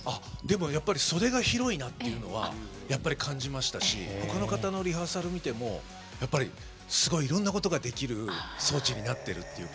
袖が広いなっていうのは感じましたし他の方のリハーサル見てもやっぱり、すごいいろんなことができる装置になっているというか。